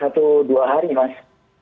satu dua hari mas